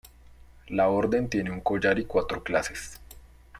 La Orden tiene un collar y cuatro clases.